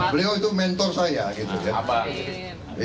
beliau itu mentor saya gitu